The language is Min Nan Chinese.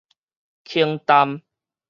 輕淡